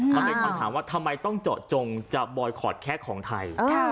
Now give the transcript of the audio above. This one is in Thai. มันเป็นคำถามว่าทำไมต้องเจาะจงจะบอยคอร์ดแค่ของไทย